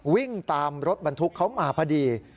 วิ่งตามรถบรรทุกเขามาพอดี